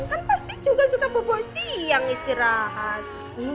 kan pasti juga suka popo siang istirahat